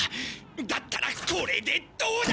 だったらこれでどうだ！